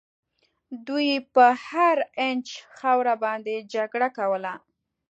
دوی پر هر اینچ خاوره باندي جګړه کوله.